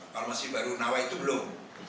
kalau masih baru nawai itu belum